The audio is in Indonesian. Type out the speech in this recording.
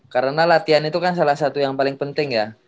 karena latihan itu kan salah satu yang paling penting ya